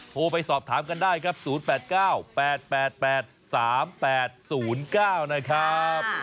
โทรไปสอบถามกันได้ครับ๐๘๙๘๘๓๘๐๙นะครับ